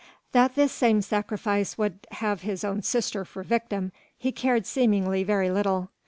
That this same sacrifice would have his own sister for victim, he cared seemingly very little.